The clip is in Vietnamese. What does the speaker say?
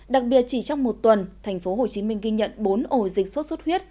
đặc biệt chỉ trong một tuần thành phố hồ chí minh ghi nhận bốn ổ dịch sốt xuất huyết